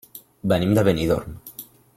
Venim de Benidorm.